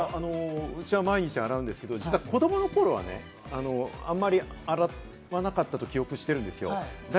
うちは毎日洗うんですけど、実は子供の頃はねあんまり洗わなかったと記憶してるんですよ。